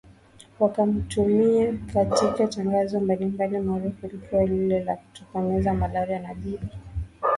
wakamtumia katika matangazo mbali mbali maarufu likiwa lile la kutokemeza Malaria Ni bibi aliyebahatika